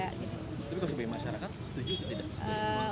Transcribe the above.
tapi kalau sebagai masyarakat setuju atau tidak